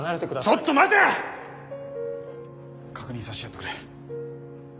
ちょっと待て‼確認させてやってくれ。